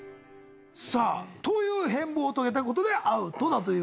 さあという変貌を遂げたことでアウトだということでございます。